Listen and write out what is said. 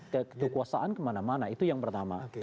kekuasaan kemana mana itu yang pertama